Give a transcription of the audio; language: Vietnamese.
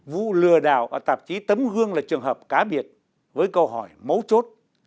vụ lừa đảo ở tạp chí tấm gương là trường hợp cá biệt với câu hỏi mấu chốt